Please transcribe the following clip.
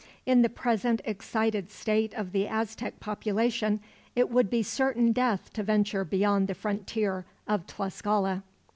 In the present excited state of the Aztec population, it would be certain death to venture beyond the frontier of Tlascala.